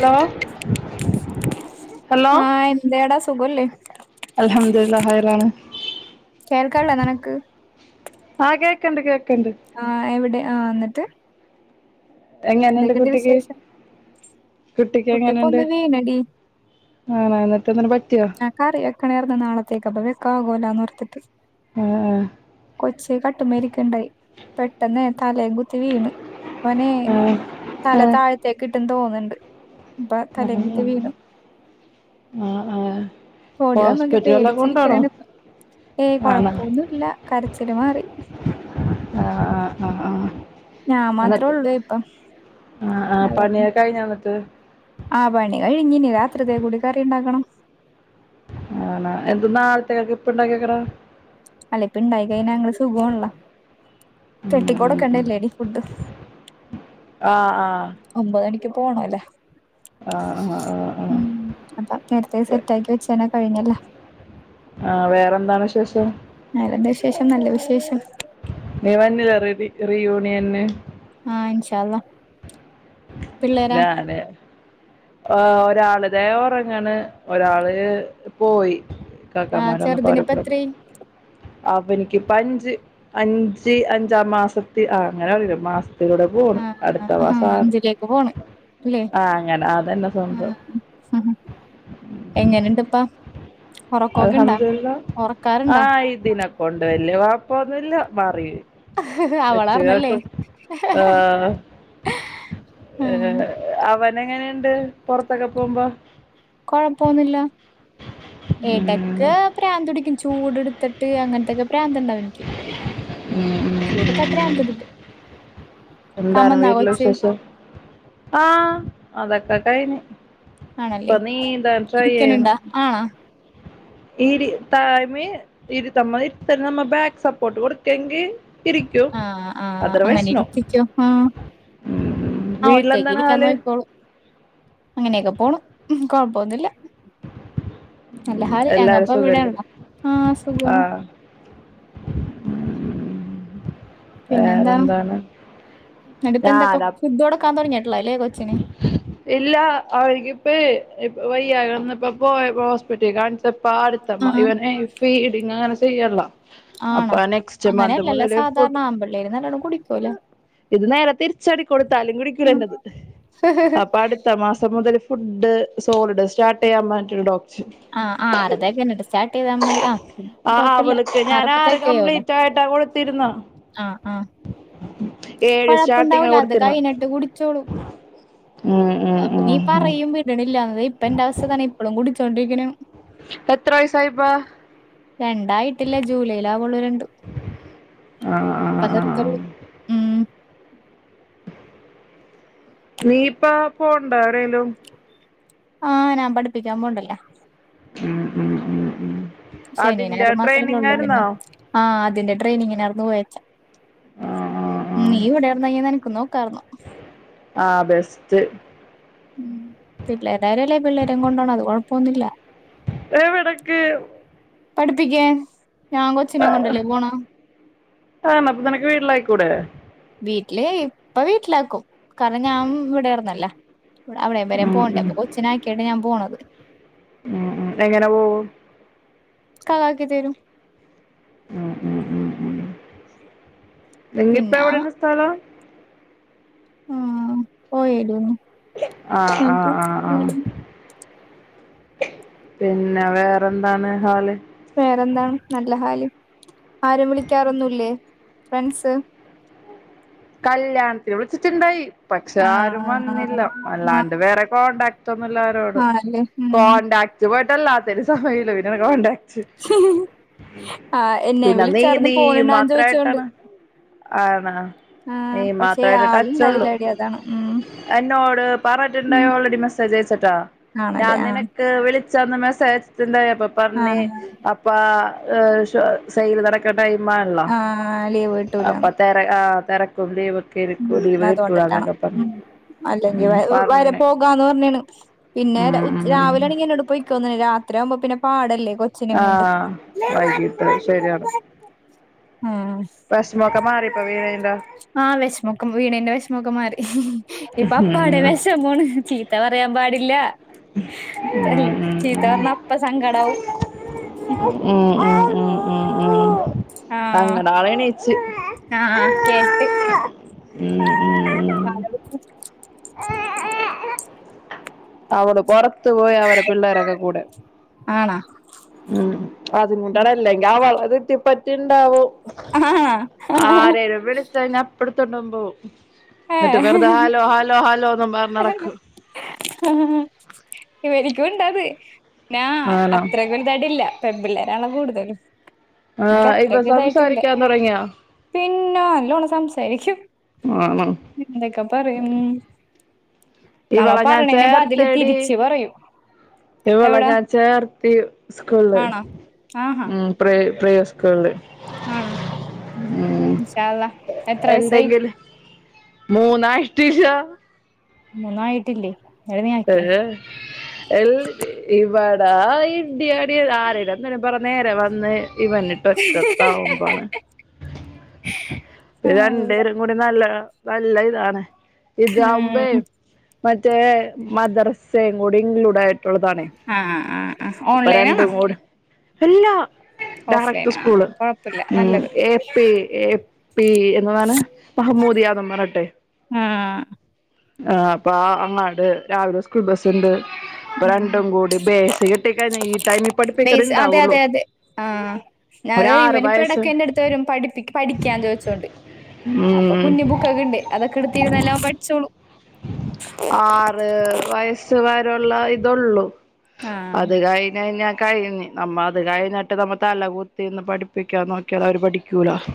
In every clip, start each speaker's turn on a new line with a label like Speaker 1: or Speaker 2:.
Speaker 1: Hello hello
Speaker 2: ആ എന്തേടാ സുഖല്ലേ
Speaker 1: അൽഹംദുലില്ലാഹ് ഹൈർ ആണ്
Speaker 2: കേൾക്കാല്ലോ നിനക്ക്
Speaker 1: ആഹ് കേക്കണ്ട് കേക്കണ്ട്
Speaker 2: ആ എവിടെ ആ എന്നിട്ട്
Speaker 1: എങ്ങനെണ്ട്
Speaker 2: എന്തൊക്കെയുണ്ട്
Speaker 1: കുട്ടിക്ക്
Speaker 2: വിശേഷം
Speaker 1: കുട്ടിക്ക്
Speaker 2: കുട്ടിപ്പോ
Speaker 1: എങ്ങനെണ്ട്
Speaker 2: ഒന്ന് വീണടി
Speaker 1: ആണാ എന്നിട്ടെന്തേലും പറ്റിയോ
Speaker 2: ഞാൻ കറിയെക്കണേർന്ന് നാളത്തേക്ക് അപ്പ വെക്ക ആകോ ല്ലാന്ന്ഓർത്തിട്ട്
Speaker 1: ആഹ്
Speaker 2: കൊച്ച് കട്ടുമേരിക്കുണ്ടായി പെ പെട്ടന്നെ തലേ ക്കുത്തീവീണ്
Speaker 1: ആഹ്
Speaker 2: തല
Speaker 1: ആഹ്
Speaker 2: താഴത്തേക്ക് ഇട്ടെന്ന് തോന്നുന്നുണ്ട് ഇപ്പ
Speaker 1: ആഹ്
Speaker 2: തലേക്കുത്തി വീണു
Speaker 1: ആഹ് ആഹ്
Speaker 2: പൊടി വന്നോക്കി
Speaker 1: ഹോസ്പിറ്റൽ വല്ലോം
Speaker 2: പേടിച്ചിരിക്ക
Speaker 1: കൊണ്ടോണോ
Speaker 2: ഏയ്
Speaker 1: ആണോ
Speaker 2: കൊഴപ്പോന്നുല്ല കരച്ചില് മാറി
Speaker 1: ആഹ് ആഹ് ആഹ് ആഹ്
Speaker 2: ഞാൻ മാത്രേ
Speaker 1: എന്നിട്ട്
Speaker 2: ഉള്ളൂ ഇപ്പം
Speaker 1: ആഹ് ആഹ് പണിയൊക്കെ കഴിഞ്ഞന്നിട്ട്
Speaker 2: ആ പണി കഴിഞ്ഞിന് രാത്രിത്തെ കൂ ടികറി ഉണ്ടാക്കണം
Speaker 1: ആണ എന്ത നാളത്തേക്ക് ഇപ്പ ഇണ്ടാക്കിക്കണ
Speaker 2: അല്ലപ്പ ഉണ്ടായി കൈയ്ഞ്ഞ ങ്ങള് സുഖോണല്ല
Speaker 1: ഉം ഉം ഉം
Speaker 2: പെട്ടിക്കൊടുക്കണ്ടല്ലേടി ഫുഡ്
Speaker 1: ആഹ് ആഹ്
Speaker 2: ഒമ്പത് മണിക്ക് പോണ ല്ലേ
Speaker 1: ആഹ് ആഹ് ആഹ് ആഹ്
Speaker 2: ഉ അപ്പൊ നേരത്തെ സെറ്റാക്കി വെച്ചന കഴിഞ്ഞല്ലോ
Speaker 1: ആഹ് വേറെന്താണ് വിശേഷം
Speaker 2: വേറെന്താവിശേഷം നല്ല വിശേഷം
Speaker 1: നീ വന്നതാ റീ യൂണിയന്
Speaker 2: ആ ഇൻഷ അള്ളാഹ്
Speaker 1: ത അതെ ആ ഒരാളതെ ഉറങ്ങണ് ഒരാള് പോയി
Speaker 2: ആഹ്
Speaker 1: കാക്കന്മാരന്ന്
Speaker 2: ചെറുതിനിപ്പ
Speaker 1: പറയപ്പെടത്
Speaker 2: എത്രയായി
Speaker 1: അവനിക്ക് പഞ്ച് അഞ്ച് അഞ്ചാം മാസത്തി അങ്ങനെ മാസത്തിലൂടെ
Speaker 2: ആഹ്
Speaker 1: അടുത്ത
Speaker 2: ആഹ്
Speaker 1: മാസ
Speaker 2: അഞ്ചിലേക്ക് പോണ് അല്ലേ
Speaker 1: ആ അങ്ങനെ അതന്നെ സ്വന്തം
Speaker 2: ഉ എങ്ങനുണ്ട് ഇപ്പാ
Speaker 1: അൽഹംദുലില്ല
Speaker 2: ഒറക്കാറുണ്ടാ
Speaker 1: ആഹ ഇതിനിന കൊണ്ട് വലിയ കുഴപ്പൊന്നുമില്ല മാറി
Speaker 2: അവളാർന്നല്ലേ
Speaker 1: വെച്ചുകക്കും ഏ
Speaker 2: ഉം
Speaker 1: അവന ങ്ങനെണ്ട് പുറത്തൊക്കെ പോകുമ്പോ
Speaker 2: ഇപ്പൊ കൊഴപ്പന്നില്ല ഏട
Speaker 1: ഉം.
Speaker 2: ഒക്കെ പ്രാന്ത കുടിക്കും ചൂട് എടുത്തിട്ട് അങ്ങനത്തെൊക്കെ പ്രാന്ത ഉണ്ടാവന
Speaker 1: ഉം ഉം ഉം ഉം
Speaker 2: പ്രാന്തുടിക്കും
Speaker 1: എന്താണ്
Speaker 2: കമന്നാ
Speaker 1: വീട്ടില
Speaker 2: കൊച്ച്
Speaker 1: വിശേഷം ആഹ അതൊക്കെ കഴിഞ്ഞ പ്പ നീണ്ട [unintelligible]
Speaker 2: ആഹ
Speaker 1: ഇരി തായ്മേ ഇരിത്തുമ്മേ നമ്മ ഇരുത്തുമ്മെ നമ്മ ബാക്ക് സപ്പോർട്ട് കൊടുക്കെങ്കി ഇരിക്കും
Speaker 2: ആഹ് ആഹ് അങ്ങനെ
Speaker 1: അതർവൈസ് നോ
Speaker 2: ഇരുത്തിക്കോ. ആഹ്
Speaker 1: ഉം
Speaker 2: ആഹ് ഒറ്റയ്ക്ക്
Speaker 1: വീട്ടിലെന്താണ്
Speaker 2: ഇരിക്കാൻ
Speaker 1: ഹാല്
Speaker 2: നോക്കിക്കോളും. അങ്ങനെയൊക്കെ പോണൂ. കൊഴപ്പൊന്നൂല്ല. നല്ല ഹാല്. ഞങ്ങ
Speaker 1: എല്ലാരും
Speaker 2: ഇപ്പ
Speaker 1: സുഖായിരിക്കുന്നു
Speaker 2: ഇവിടാണല്ലാ. ആഹ് സുഖാണ്.
Speaker 1: ആഹ് വേറെ എന്താണ്?
Speaker 2: എന്നട്ടിപ്പെ എന്തൊക്കെ ഫുഡ് കൊടുക്കാൻ തുടങ്ങിയിട്ടില്ലാലേ കൊച്ചിന്.
Speaker 1: ഇല്ല. അവര്ക്കിപ്പെ ഇപ്പ വയ്യായ്ക വന്നപ്പെ പോയ് ഹോസ്പിറ്റലിൽ കാണിച്ചപ്പ അടു തമ്മ.
Speaker 2: ആഹ്
Speaker 1: ഇവന് ഫീഡിങ്ങ് അങ്ങനെ ചെയ്യൺള്ള.
Speaker 2: ആണോ അങ്ങനെയല്ലല്ല സാധാരണ.
Speaker 1: ഫുഡ്
Speaker 2: ആൺപിള്ളേര് നല്ലോണ്ണം കുടിക്കൂല.
Speaker 1: ഇത് നേരെ തിരിച്ചടിക്കോളൂ കൊടുത്താലും കുടിക്കൂല എന്റെത്. അപ്പൊ അടു പത്ത മാസം മുതൽ ഫുഡ് സോളിഡ് സ്റ്റാർട്ട് ചെയ്യാൻ പറഞ്ഞിട്ടുണ്ട് ഡോ
Speaker 2: ആഹ് ആറതേ എന്നട്ട് സ്റ്റാർട്ട് ചെയ്താൽ മതി. ആഹ് കൊഴപ്പില്ല. ആറപ്പത്തേ [unintelligible] ചെയ്യൂല.
Speaker 1: ചായിട്ടാ കൊടുത്തിരുന്നെ.
Speaker 2: ആഹ് ആഹ്
Speaker 1: ഏഴ് സ്റ്റാർട്ടിങ്ങാ
Speaker 2: കൊഴപ്പൊണ്ടാവൂല. അത്
Speaker 1: കൊടുത്തിരുന്ന
Speaker 2: കഴിഞ്ഞിട്ട് കുടിച്ചോളും.
Speaker 1: ഉം ഉം
Speaker 2: നീ
Speaker 1: ഉം ഉം
Speaker 2: പറയും വീ വിടണില്ലാന്ന്. ഇപ്പ എന്റെ അവസ്ഥ ഇതാണ്. ഇപ്പോളും കൂടിച്ചോണ്ടിരിക്കണാണ്.
Speaker 1: എത്ര വയസ്സായി ഇപ്പേ?
Speaker 2: രണ്ടായിട്ടില്ല ജൂലൈ ആവുള്ളൂ രണ്ട്.
Speaker 1: ആഹ്. ആഹ്
Speaker 2: ഇപ്പ
Speaker 1: ആഹ്
Speaker 2: നിർത്തൊള്ളൂ. ഉം
Speaker 1: നീ ഇപ്പ പോണുണ്ടാ എവിടേലും.
Speaker 2: ആഹ് ഞാൻ പഠിപ്പിക്കാൻ പോണണ്ടല്ലോ
Speaker 1: ഉം ഉം ഉം ഉം
Speaker 2: ശനിയും
Speaker 1: അതിന്റെ
Speaker 2: ഞായറും മാത്രമല്ലേ
Speaker 1: ട്രെയിനിങ്
Speaker 2: ഉള്ളൂ
Speaker 1: ആയിരുന്നോ
Speaker 2: പിന്നെ. ആഹ് അതിന്റെ ട്രെയിനിങ്ങിനാർന്നു പോയേച്ചെ.
Speaker 1: ആഹ് ആഹ്
Speaker 2: ഉം നീ
Speaker 1: ആഹ്
Speaker 2: ഇവിടെ ആയിരുന്നെങ്കി നിനക്കും നോക്കാർന്നു.
Speaker 1: ആഹ് ബെസ്റ്റ്.
Speaker 2: ഉം പിള്ളേരുടെ ആരുവല്ലേ പിള്ളേരേം കൊണ്ടോണത്. അത് കൊഴപ്പൊന്നുമില്ല.
Speaker 1: എവിടക്ക്?
Speaker 2: പഠിപ്പിക്കാൻ ഞാൻ കൊച്ചിനേം കൊണ്ടല്ലേ പോണെ.
Speaker 1: ആഹ്. അപ്പൊ നിനക്ക് വീട്ടിലാക്കിക്കൂടെ?
Speaker 2: വീട്ടില് ഇപ്പ വീട്ടിലാക്കും. കാരണം ഞാൻ ഇവിടെ ആർന്നല്ല. അവിടെയും വരേം
Speaker 1: ഉം
Speaker 2: പോവണ്ടേ.
Speaker 1: ഉം
Speaker 2: അപ്പൊ കൊച്ചിനാക്കിയിട്ടാ ഞാൻ പോണത്?
Speaker 1: ഉം ഉം എങ്ങനെ പോവും?
Speaker 2: ഇക്കാക്ക ആക്കി തരും.
Speaker 1: ഉം ഉം ഉം ഉം നിങ്ങപ്പ
Speaker 2: പിന്നെ
Speaker 1: എവിടാണ് സ്ഥലം?
Speaker 2: ആഹ് പോയേടി ഒന്ന്.
Speaker 1: ആഹ് ആഹ് ആഹ് ആഹ് പിന്നെ വേറെ എന്താണ് ഹാല്?
Speaker 2: വേറെന്താണ് നല്ല ഹാല് ആരും വിളിക്കാറൊന്നൂല്ലേ? ഫ്രണ്ട്സ്
Speaker 1: കല്യാണത്തിന് വിളിച്ചിട്ടുണ്ടായി പക്ഷെ ആരും വന്നില്ല
Speaker 2: ആഹ്
Speaker 1: അല്ലാണ്ട് വേറെ കോണ്ടാക്ട് ട്ടൊന്നൂല്ലാ രോടും
Speaker 2: ആണല്ലേ ഉം
Speaker 1: കോണ്ടാക്ട് പോയിട്ട് അല്ലാത്തേന് സമയം ഇല്ല പിന്നാണ് കോണ്ടാക്ട്.
Speaker 2: ആ എന്നെ
Speaker 1: പിന്നെ നീ
Speaker 2: വിളിച്ചാർന്നു
Speaker 1: നീയും
Speaker 2: പോണുണ്ടാന്ന് ചോദിച്ചോണ്ട്
Speaker 1: മാത്രമായിട്ടാണ് ആണാ?
Speaker 2: ആഹ് പക്ഷെ ആളുണ്ടായില്ലാടീ. അതാണ് ഉം
Speaker 1: എന്നോട് പറഞ്ഞിട്ടുണ്ടായി
Speaker 2: ഉം.
Speaker 1: ഓൾറെഡി മെസ്സേജ് അയച്ചിട്ടാ
Speaker 2: ആണല്ലേ
Speaker 1: ഞാൻ
Speaker 2: ആ
Speaker 1: നിനക്ക് ക്ക് വിളിച്ചന്ന് മെസ്സേജ് അയച്ചിട്ടുണ്ടായി അപ്പ
Speaker 2: ആ
Speaker 1: പറഞ്ഞ് അപ്പാ ഏഹ് ഷൊ സെയില് നടക്കണ ടൈമാണല്ലോ
Speaker 2: ആ ലീവ്
Speaker 1: അപ്പൊ
Speaker 2: കിട്ടൂലാന്ന്
Speaker 1: തെര ആഹ് തിരക്കും [unintelligible]
Speaker 2: ഉം
Speaker 1: കേറിക്കൂടി ഇവിടെ
Speaker 2: അതോണ്ടിട്ടാണ്
Speaker 1: ഇട്ടൂടാന്നൊക്കെ പറഞ്ഞ്
Speaker 2: ഉം അല്ലെങ്കി വ വരെ പോകാന്ന് പറഞ്ഞേണ് പിന്നെ
Speaker 1: ഉം
Speaker 2: രാ ഉച്ച്
Speaker 1: ഉം
Speaker 2: രാവിലെ ആണെങ്കി എന്നോട് പൊയ് ക്കോന്ന് രാത്രി ആവുമ്പോ പിന്നെ പാടല്ലേ കൊച്ചിനേം കൊണ്ട്.
Speaker 1: ആഹ് വൈകിട്ട്
Speaker 2: ഉം
Speaker 1: വെഷമൊക്കെ മാറിപ്പ വിണെന്റെ
Speaker 2: ആഹ് വെഷമൊക്കെ വിണേന്റെ വെഷമൊക്കെ മാറി ഇപ്പ അപ്പാടെ
Speaker 1: ഉം
Speaker 2: വെഷമാണ് ചിത് ചീത്ത പറയാൻ പാടില്ല തല്ലാ
Speaker 1: ഉം
Speaker 2: ചീത്ത
Speaker 1: ഉം
Speaker 2: പറഞ്ഞാ അപ്പ സങ്കടാവും
Speaker 1: ഉം ഉം ഉം ഉം ഉം
Speaker 2: ആഹ്
Speaker 1: അങ്ങനെ ആള് എണീച്ച്
Speaker 2: ആഹ് കേട്ട്
Speaker 1: ഉം ഉം ഉം
Speaker 2: പാലൊടുക്ക്
Speaker 1: അവള് പൊറത്തു പോയി അവരെ പിള്ളേരൊക്കെ കൂടെ
Speaker 2: ആണോ
Speaker 1: ഉം അതുകൊണ്ടാണ് അല്ലെങ്കിൽ ആ വളവ് എത്തി പറ്റിണ്ടാവും
Speaker 2: ആഹ്
Speaker 1: ആരേലും വിളിച്ച് കഴിഞ്ഞാപ് എടുത്തോണ്ടും പോവും എന്നിട്ട്
Speaker 2: ഏഹ്
Speaker 1: വെറുതെ ഹാലോ ഹാലോ ഹാലോന്ന് പറഞ്ഞ് നടക്കും
Speaker 2: ആഹ് ഇവരിക്കുണ്ടത് ന്നാ
Speaker 1: ആണോ
Speaker 2: അത്രക്ക്‌ വ ലുതായിട്ട് ഇല്ല പെമ്പിള്ളെരാണ് കൂടുതലും
Speaker 1: ആഹ് ഇപ്പൊ സംസാരിക്കാൻ തൊടങ്ങിയാ?
Speaker 2: പിന്നോ നല്ലോണം സംസാരിക്കും
Speaker 1: ആണോ
Speaker 2: [unintelligible] പറയും നമ്മ
Speaker 1: ഇവളെ ഞാൻ
Speaker 2: പറണേന് ബതില് തിരിച്ച് പറയും
Speaker 1: ഇവളെ
Speaker 2: എവിടാ
Speaker 1: ഞാൻ ചേർത്തി സ്കൂളില്
Speaker 2: ആണോ ആഹാ
Speaker 1: ഉം പ്രേ പ്രേസ് സ്‌കൂളില്
Speaker 2: ആണോ
Speaker 1: ഉം
Speaker 2: ഇൻഷാ അള്ളാ എത്ര വയസായി
Speaker 1: എന്തെങ്കിലും മൂന്നായിട്ടില്ല
Speaker 2: മൂന്നായിട്ടില്ലേ
Speaker 1: ഏഹ് ഏഹ് എൽ ഇവടാ ഇടി അടി ആരേലു എന്തേലും പറഞ്ഞാ നേരെ വന്ന് ഇവന്നി തെറ്റത്ത് ആവുമ്പാണ്
Speaker 2: [unintelligible]
Speaker 1: രണ്ട്
Speaker 2: ആഹ്
Speaker 1: പേരും കൂടി നല്ല നല്ല ഇതാണ് ഇതാവുമ്പേ മറ്റേ മദ്രസയും കൂടി ഇൻക്ലൂഡ് ആയി ട്ടുള്ളതാണേ
Speaker 2: ആഹ് ആഹ്
Speaker 1: അപ്പൊ
Speaker 2: ഓൺലൈനാണോ
Speaker 1: രണ്ടും കൂടെ ഇല്ലാ
Speaker 2: ഓഫ്
Speaker 1: ഡയറക്ട്
Speaker 2: ലൈനാ
Speaker 1: സ്കൂൾ
Speaker 2: കൊഴപ്പില്ല
Speaker 1: ഉം
Speaker 2: നല്ലത്
Speaker 1: എ പി എ പി എന്നതാണ് മഹാമ്മൂദിയാന്നും പറഞ്ഞിട്ട്
Speaker 2: ആഹ്
Speaker 1: ആഹ് അപ്പൊ അങ്ങാണ്ട് രാവിലെ സ്കൂൾ ബസ്സുണ്ട് ഇപ്പോ രണ്ടും കൂടി ബേസ് കിട്ടിക്കയിഞ്ഞ് ഈ ടൈമി പഠിപ്പിക്കർ ഇണ്ടാവുള്ളു
Speaker 2: ഞാനിത്
Speaker 1: ഒരാറ്
Speaker 2: ഇവനിപ്പ
Speaker 1: വയസ്സ്
Speaker 2: ഇടയ്ക്ക് എന്റെടുത്ത് വരും പഠിപ്പിക്ക്‌ പഠിക്കാൻ ചോദിച്ചോണ്ട് അപ്പൊ
Speaker 1: ഉം
Speaker 2: കുഞ്ഞു ബുക്കൊക്കെ ഇണ്ട് അതൊക്കെ എടുത്തിരുന്ന് എല്ലാം പഠിച്ചോളും
Speaker 1: ആറ് വയസ്സ് വരൂള്ള ഇതൊള്ളു
Speaker 2: ആഹ്
Speaker 1: അത് കഴിഞ്ഞഞ്ഞ കഴിഞ്ഞ് നമ്മ അത് കഴിഞ്ഞിട്ട് നമ്മ തല കുത്തിന്ന് പഠിപ്പിക്കാ നോ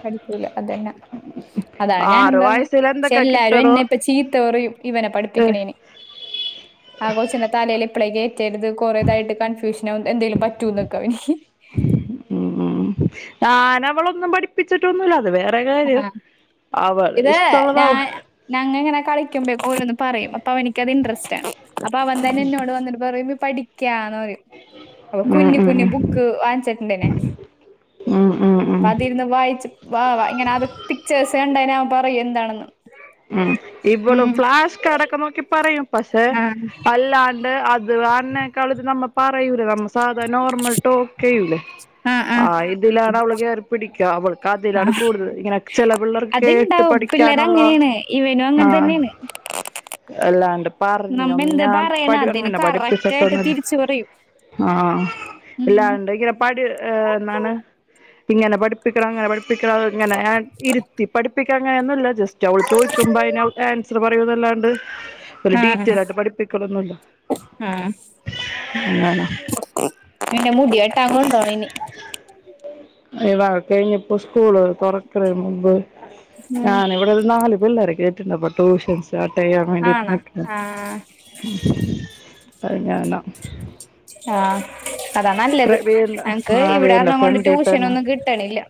Speaker 2: പഠിക്കൂല അതന്നെ അതാണ്
Speaker 1: ആറു
Speaker 2: ഞാനെന്താന്ന്
Speaker 1: വയസ്സിൽ
Speaker 2: പക്ഷെ
Speaker 1: എന്തൊക്കെ
Speaker 2: എല്ലാരും
Speaker 1: കിട്ടണോ
Speaker 2: എന്നെ ഇപ്പ ചീത്ത പറയും ഇവനെ
Speaker 1: ഉം
Speaker 2: പഠിപ്പിക്കിണേന് ആ കൊച്ചിന്റെ തലേല് ഇപ്പളേ കേറ്റരുത് കുറേതായിട്ട് കൺഫ്യൂഷൻ ആവും എന്തേലും പറ്റുനൊക്കെ ഇഹി
Speaker 1: ഉം ഉം ഞാൻ അവളൊന്നും പഠിപ്പിച്ചിട്ടൊന്നുല്ല അത് വേ റെ
Speaker 2: ആ
Speaker 1: കാര്യം അവ
Speaker 2: ഇത്
Speaker 1: ഇഷ്ട്ടോള്ളത് അവ
Speaker 2: ഞാൻ ഞങ്ങ ഇങ്ങനെ കളിക്കുമ്പോക്കെ ഓരോന്ന് പറയും അപ്പൊ അവനിക്കത് ഇൻട്രസ്റ്റാണ് അപ്പൊ അവൻ തന്നെ എന്നോട് വന്നിട്ട് പറയും പഠിക്കാന്ന് പറയും അപ്പൊ
Speaker 1: ഉം
Speaker 2: കുഞ്ഞ്
Speaker 1: ഉം
Speaker 2: കുഞ്ഞ് ബുക്ക് വാങ്ങിച്ചിട്ടുണ്ടേ ഞാൻ
Speaker 1: ഉം ഉം ഉം
Speaker 2: ന്ന് വായിച്ച് വാ വ ഇങ്ങനെ ആത് പിക്ചേഴ്സ് കണ്ടേയ്ഞ്ഞാനൻ പറയും എന്താണെന്ന്
Speaker 1: ഉം ഇവളും
Speaker 2: ഉം
Speaker 1: ഫ്ലാസ്ക് അടക്ക നോക്കി പറയും പസേ
Speaker 2: ആഹ്
Speaker 1: അല്ലാ ണ്ട് അത് അന്നേക്കാള നമ്മ പറയൂലേ നമ്മ സാധാരണ നോർമൽ ടോക്കെയ്യൂല്ലേ
Speaker 2: ആഹ്
Speaker 1: ആ
Speaker 2: ആഹ്
Speaker 1: ഇതിലാണ് അവള് കേറി പിടിക്കുക അവൾക്ക് അതിലാണ്
Speaker 2: ആഹ്
Speaker 1: കൂടുതൽ ഇങ്ങനെെ ചെല പിള്ളർ കേട്ട്
Speaker 2: അത്ണ്ടാവും
Speaker 1: പഠിക്ക
Speaker 2: പിള്ളേര് അങ്ങനെയാണ് ഇവനും അങ്ങനെ തന്നെയാണ്
Speaker 1: അല്ലാണ്ട്
Speaker 2: നമ്മ
Speaker 1: പറഞ്ഞൊന്ന്
Speaker 2: എന്ത്
Speaker 1: ഞാൻ പ
Speaker 2: പറയണ അതിന്
Speaker 1: അങ്ങനെ
Speaker 2: കറക്റ്റ് ആയിട്ട്
Speaker 1: പഠിപ്പിച്ചട്ടൊന്നുല്ല
Speaker 2: തിരിച്ചു പറയും
Speaker 1: ആഹ്
Speaker 2: ഉം
Speaker 1: ഇല്ലാണ്ട് പാഠ് നാണ് ഇങ്ങനെ പഠിപ്പിക്കറ ഇങ്ങനെ പഠിപ്പിക്കാ ഇങ്ങനെ ഇരുത്തി പഠിപ്പിക്കാ അങ്ങനൊന്നുംല്ല ജസ്റ്റ് അവള് ചോദിക്കുമ്പോ അ ആൻസർ പറയന്നല്ലാണ്ട് ഒരു
Speaker 2: ആഹ്
Speaker 1: ഡീറ്റയ്ൽ ആയിട്ട് പഠിപ്പിക്കലൊന്നുല്ല
Speaker 2: ആഹ്
Speaker 1: അങ്ങ
Speaker 2: ഇവന്റെ മുടി വെട്ടാ കൊണ്ടോണം ഇനി
Speaker 1: ഇ വർക്ക്‌ കഴിഞ്ഞപ്പോ സ്കൂള് തുറക്കല്ന് മുമ്പ്
Speaker 2: ഉം
Speaker 1: ഞാൻ ഇവിടെ ഒരു നാല് പിള്ളേരെ കേട്ടിണ്ടപ്പൊ ട്യൂഷൻസ് സ്റ്റാർട്ട് ചെയ്യാൻ വേണ്ടിട്ട്
Speaker 2: ആണാ
Speaker 1: നിക്കുന്നു
Speaker 2: ആഹ്
Speaker 1: [unintelligible]
Speaker 2: ആഹ് അതാ നല്ലത്
Speaker 1: പ്രവീണിൻ്റെ
Speaker 2: ങ്ങക്ക്
Speaker 1: ആ വീടിൻ്റെ
Speaker 2: ഇവിടെണം കൊണ്ട്
Speaker 1: ഫ്രണ്ടിൽ തന്നെ
Speaker 2: ട്യൂഷനൊന്നും കിട്ടണില്ല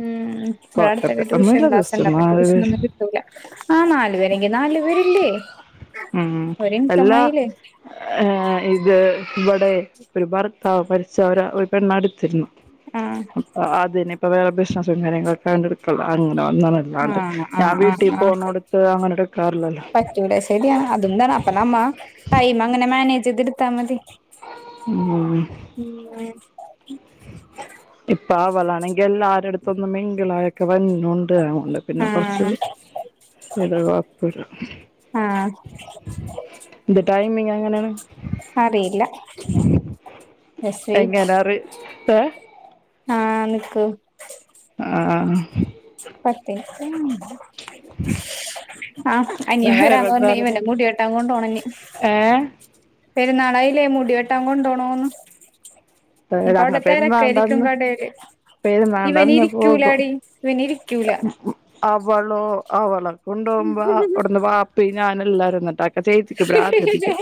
Speaker 2: ഉം ഇവിടെ അടുത്തൊക്ക ടൂഷൻ
Speaker 1: കുഴപ്പമൊന്നുമില്ല
Speaker 2: ക്ലാസ്
Speaker 1: ജസ്റ്റ്
Speaker 2: ഉണ്ടപ്പ
Speaker 1: നാല് പേര്
Speaker 2: ടൂഷനൊന്നും കിട്ടൂല ആ നാല് പേര് ങ്കി നാല് പേരില്ലേ
Speaker 1: ഉം
Speaker 2: ഒരു
Speaker 1: അല്ലാ
Speaker 2: ഇൻകമായില്ലേ
Speaker 1: ഏ ഇത് ഇവിടെ ഒരു ഭർത്താവ് മരിച്ചവര് ഒരു പെണ്ണടുത്തിരുന്നു
Speaker 2: ആഹ്
Speaker 1: അതിനി ഇപ്പൊ വേറെ ബിസിനസും കാര്യങ്ങളൊക്കെ കണ്ടെടുക്കുള്ള അങ്ങനെ വന്നാണ് അല്ലാണ്ട്
Speaker 2: ആഹ്
Speaker 1: ഞാൻ
Speaker 2: ആഹ് ആഹ്
Speaker 1: വീട്ടിൽ
Speaker 2: ആഹ്
Speaker 1: പോന്നോടുത്ത് അങ്ങനെ എടുക്കാറില്ലല്ലോ
Speaker 2: പറ്റൂല ശരിയാണ് അതുംന്താണ് അപ്പ നമ്മ ടൈം അങ്ങനെ മാനേജ് ചെയ്ത് എടുത്താ മതി
Speaker 1: ഉം
Speaker 2: [unintelligible]
Speaker 1: ഇപ്പ അവളാണെങ്കിൽ എല്ലാവരുടെ അടുത്തൊന്നും മിങ്കിളായി വരുന്നുണ്ട് അത്‌ കൊണ്ട് പിന്നെ കുറച്ച്
Speaker 2: ആഹ്
Speaker 1: [unintelligible]
Speaker 2: ആഹ്
Speaker 1: ഇത് ടൈമിങ് എങ്ങനെയാണ്
Speaker 2: അറിയില്ല ജസ്റ്റ് വെയിറ്റ്
Speaker 1: എങ്ങനാ അറിം ഏഹ്
Speaker 2: ആഹ് നിക്ക്
Speaker 1: ആഹ്
Speaker 2: [unintelligible] ആഹ് അനിയ വരാന്ന് പറഞ്ഞ
Speaker 1: വേറെന്തായിരുന്നു
Speaker 2: ഇവന്റെ മുടി വെട്ടാൻ കൊണ്ടുപോണം ഇനി
Speaker 1: ഏഹ്
Speaker 2: പെരുന്നാളായില്ലേ മുടിവെട്ടാൻ കൊണ്ടോണോന്ന്
Speaker 1: [unintelligible]
Speaker 2: ഇനിയിപ്പ അവിടെ തിരക്കായിരിക്കും
Speaker 1: വേണ്ടന്ന്
Speaker 2: കടയില്
Speaker 1: പെര് മാണ്ടന്ന് പോകും
Speaker 2: ഇവനിരിക്കൂലാടി ഇവനിരിക്കൂല
Speaker 1: അവളോ അവളെ കൊണ്ടൊക്കുമ്പോ അവിടുന്ന് വാപ്പ ഞാന എല്ലാരിട്ട ആ ചേച്ചിക്ക് പ്രാന്ത് പിടിക്കും.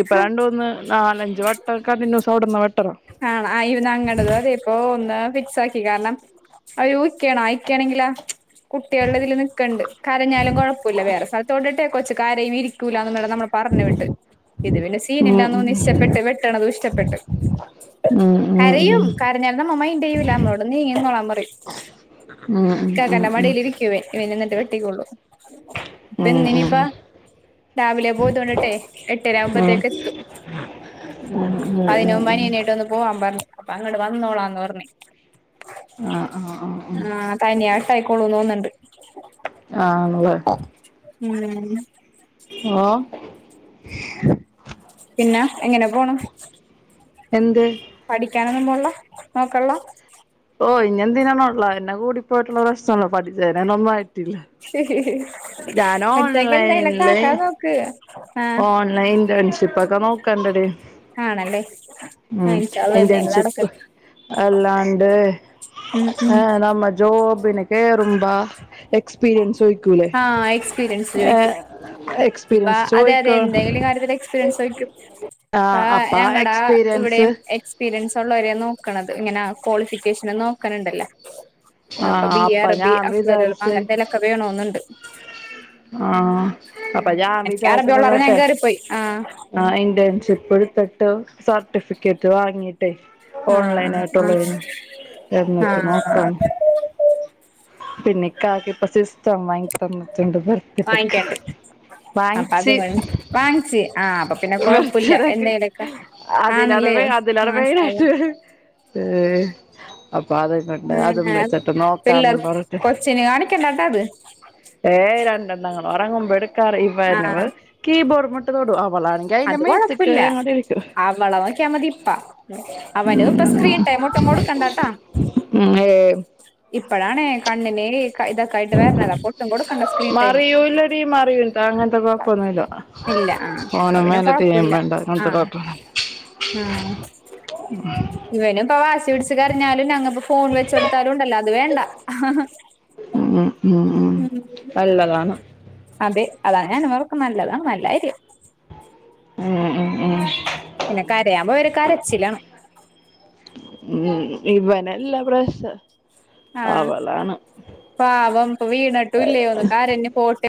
Speaker 1: ഇപ്പൊ രണ്ടൂമൂന്ന് നാലഞ്ച വട്ടക്ക കൂടുമ്പോ വെട്ടണം
Speaker 2: ആണ ആ ഇന് അങ്ങടത് അതെ അപ്പൊ ഒന്ന് ഫിക്സ് ആക്കി കാരണം അവ ഇക്കയാണ് ആക്കയാണെങ്കിലാ കുട്ടികളുടെ ഇതിൽ നിക്കണ്ട് കരഞ്ഞാലും കുഴപ്പമില്ല വേറെ സ്ഥലത്തോടെട്ടേ കൊച്ചു കരയും ഇരിക്കും തുലാ വ നമ്മള് പറഞ്ഞു വിട്ട് ഇത് പിന്നെ
Speaker 1: ഉം ഉം
Speaker 2: സീനില്ലാന്ന്ന്നന്ന് ഇഷ്ടപ്പെട്ട് വെട്ടണത് ഇഷ്ടപ്പെട്ട്
Speaker 1: ഉം ഉം ഉം
Speaker 2: കരയും കരഞ്ഞാല നമ്മൾ മൈൻഡ് ചെയ്യൂല ഞമ്മളൊണ്ട് നീങ്ങി നിന്നോളം പറയും.
Speaker 1: ഉം ഉം
Speaker 2: ഇക്കാക്കാന്റെ മടിയിൽ ഇരിക്കുവേ ഇവൻ ന്നിട്ട് വെട്ടിക്കോളും
Speaker 1: ഉം
Speaker 2: ഇപ്പന്നനിയിപ്പ
Speaker 1: ഉം ഉം ഉം
Speaker 2: രാവിലെ പോയത കൊണ്ടിട്ടെ എട്ടര
Speaker 1: ആഹ്
Speaker 2: ആവുമ്പോത്തേക്ക് എത്തും. [unintelligible] അന്ന് പോവാ പറഞ്ഞ അപ്പൊ അങ്ങോട്ട് വന്നോളാന്ന് പറഞ്ഞ്
Speaker 1: ആഹ് ആഹ് ആഹ്.
Speaker 2: തനാട്ടായിയിക്കോളൂ തോന്നുന്നുണ്ട്
Speaker 1: ആഹ് നിങ്ങള്
Speaker 2: ഉം
Speaker 1: ആഹ്
Speaker 2: പിന്നെ എങ്ങനെ പോണ്
Speaker 1: എന്ത്
Speaker 2: പഠിക്കാനൊന്നു പോവൺള്ള നോക്കള്ള
Speaker 1: ഓ ഇനെന്തിനാ ഉള്ളതെന്നെ കൂടി പോയിട്ടുള്ള പ്രശ്നാണ് പഠിച്ചെന്നെ ഒന്നു ആയിട്ടില്ല ഞാൻ
Speaker 2: അച്ചയിക്ക് എന്തെങ്കിലൊക്കെ
Speaker 1: ഓൺലൈനില്
Speaker 2: ആക്കാൻ നോക്ക് ആഹ്
Speaker 1: ഓൺലൈൻ ഇന്റേൺഷിപ്പ് ഒക്കെ നോക്കണ്ടെടി
Speaker 2: ആണല്ലേ ആഹ്
Speaker 1: ഉം
Speaker 2: ഇൻഷാ അള്ളാ എന്തെങ്കിലും
Speaker 1: ഇന്റേൺഷിപ്പ്
Speaker 2: നടക്കട്ടെ
Speaker 1: അല്ലാണ്ട്
Speaker 2: ഉം ഉം
Speaker 1: ഏഹ് നമ്മ ജോബിന് കയറുമ്പാ എക്സ്പീരിയൻസ് ചോയിക്കൂലേ
Speaker 2: ആഹ് എക്സ്പീരിയൻസ്
Speaker 1: ഏ
Speaker 2: ചോദിക്കും ഇപ്പ
Speaker 1: എക്സ്പീരിയൻസ്
Speaker 2: അതെ
Speaker 1: ചോയി
Speaker 2: അതെ എന്തെങ്കിലും കാര്യത്തിലൊക്കെ എക്സ്പീരിയൻസ് ചോയിക്കും ആഹ്
Speaker 1: അപ്പ ആ
Speaker 2: ഞങ്ങടെ
Speaker 1: എക്സ്പീരിയൻസ്
Speaker 2: ഇവിടെയും എക്സ്പീരിയൻസ് ഉള്ളവരെ നോക്കണത് ഇങ്ങനെ ക്വാളിഫിക്കേഷൻ നോക്കണുണ്ടല്ലോ അപ്പൊ
Speaker 1: ആഹ്
Speaker 2: ബി
Speaker 1: അപ്പ
Speaker 2: അറബി
Speaker 1: ഞാൻ
Speaker 2: അഫ്ലല്
Speaker 1: വിചാരിച്ച്
Speaker 2: അങ്ങൻത്തേലൊക്കെ വേണംന്നുണ്ട്
Speaker 1: ആഹ് അപ്പ
Speaker 2: ഉം
Speaker 1: ഞാൻ
Speaker 2: എനിക്ക് അറബിള്ളറു ഞാൻ കേറിപ്പോയി ആ
Speaker 1: ആ ഇന്റേൺഷിപ്പ് ടുത്തിട്ട് സർട്ടിഫിക്കറ്റ് വാങ്ങി ട്ട്
Speaker 2: ആ ആ
Speaker 1: ഓൺലൈനായിട്ടുള്ളതിനെ
Speaker 2: ആ ആ
Speaker 1: എന്നിട്ട് നോക്കാം പിന്നെ ഇക്കാക്ക ഇപ്പൊ സിസ്റ്റം വാങ്ങി തന്ന്ട്ടുണ്ട് ബർത്ത്ഡെക്ക്
Speaker 2: വാങ്ങിക്കണ്ട് അപ്പൊ അത് [unintelligible] ഫ്രാൻസി ആ അപ്പൊ പിന്നെ കൊഴ്പ്പില്ല എന്തേലൊക്കെ ആണല്ലേ
Speaker 1: അതിലറുവ്
Speaker 2: മാഷാ അള്ളാ
Speaker 1: അതിലറെവെയ്ലായ്ട്ട് ഹ് ഹ് അപ്പൊ അത്
Speaker 2: [unintelligible] പിള്ളേർ കൊച്ചിനെ കാണിക്കണ്ടാട്ട അത്
Speaker 1: ഏ രണ്ടെണ്ണങ്ങൾ ഒറങ്ങുമ്പോ എടുക്കാറ് ഈ പരഞ്ഞ
Speaker 2: ആ
Speaker 1: പോൽ കീബോർമുട്ട് തൊടൂ അവളാണെങ്കി അതിന്റെ
Speaker 2: അത് കൊഴപ്പില്ല
Speaker 1: മേത്ത്ക്കേറി അങ്ങോട്ട് ഇരിക്കും
Speaker 2: അവന് പ്പൊ സ്ക്രീൻ ടൈ ഒട്ടും കൊടുക്കണ്ടാട്ടാ
Speaker 1: ഉം ഏയ്
Speaker 2: ഇപ്പഴാണ് കണ്ണിന് ഇതൊക്കായിട്ട് വര്ണത് അപ്പൊ ഒട്ടും കൊട്ക്കണ്ട സ്ക്രീൻ ടൈം
Speaker 1: പ്പ യീ മാറിട്ടാ അങ്ങൻത്തെ കൊഴ്പ്പൊന്നുല്ല
Speaker 2: ഇല്ല ആ അപ്പൊ പിന്നെ കൊഴപ്പൊല്ല ആ
Speaker 1: അങ്ങനത്തെ കൊഴപ്പൊന്നുമില്ല
Speaker 2: ആഹ് ഇവനും പ്പൊ വാശി പിടിച്ച് കരഞ്ഞാലും ഞങ്ങപ്പോ ഫോൺ വെച്ചടുത്താലും ണ്ടല്ലോ അത് വേണ്ട
Speaker 1: ഉം ഉം ഉം ഉം അത് നല്ലതാ
Speaker 2: അതെ അതാണ് ഞാന അവർക്ക് നല്ലതാണ് നല്ലാര്യം
Speaker 1: ഉം ഉം ഉം
Speaker 2: പിന്നെ കരയാമ്പോയ ഒരു കരച്ചിലാണ്
Speaker 1: ഉം ഇവനെല്ലാ പ്രശ്
Speaker 2: ആ പാവം പ്പ വീണിട്ടും ഇല്ലയോ ന്ന് കരഞ് പോ